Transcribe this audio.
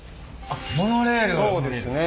あっそうですね。